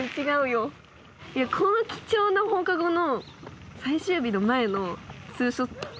この貴重な放課後の。